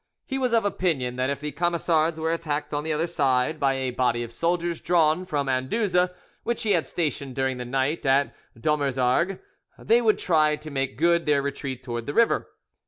He was of opinion that if the Camisards were attacked on the other side by a body of soldiers drawn from Anduze, which he had stationed during the night at Dommersargues, they would try to make good their retreat towards the river.